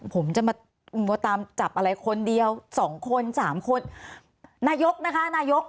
ผมจะมาจับอะไรคนเดียว๒คน๓คนนายกนะคะนายก